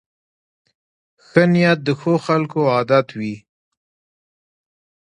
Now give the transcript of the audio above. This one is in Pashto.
ښه نیت د ښو خلکو عادت وي.